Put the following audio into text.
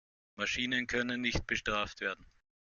Maschinen können nicht bestraft werden.